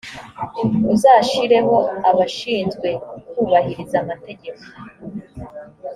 uzashireho abashinzwe kubahiriza amategeko